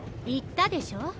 言ったでしょ？